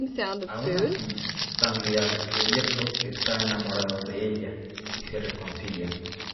Aun así, Stanley ha descubierto que está enamorado de ella y se reconcilian.